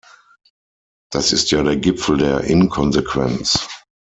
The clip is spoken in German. Das ist ja der Gipfel der Inkonsequenz!